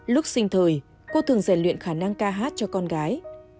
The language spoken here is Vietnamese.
lúc sinh thời cô thường rèn luyện khả năng ca hát cho con gái